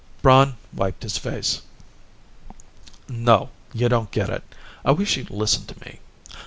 Braun wiped his face. "No. You don't get it. I wish you'd listen to me.